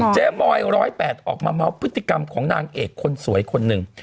มอย๑๐๘ออกมาเมาส์พฤติกรรมของนางเอกคนสวยคนหนึ่ง